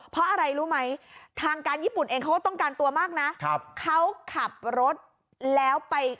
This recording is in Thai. เพราะอะไรรู้ไหมทางการญี่ปุ่นเองเขาก็ต้องการตัวมากนะครับเขาขับรถแล้วไป